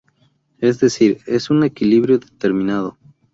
Es decir, en un equilibrio determinado.